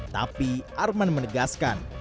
tapi arman menegaskan